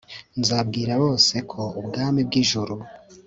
nzabwira bose ko ubwami bw'ijuru